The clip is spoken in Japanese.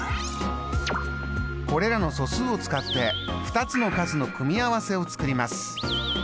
これらの素数を使って２つの数の組み合わせを作ります。